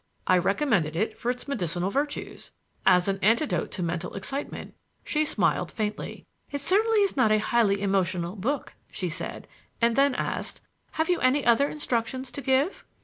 "I recommended it for its medicinal virtues, as an antidote to mental excitement." She smiled faintly. "It certainly is not a highly emotional book," she said, and then asked: "Have you any other instructions to give?"